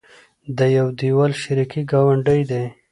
د يو دېول شریکې ګاونډۍ دي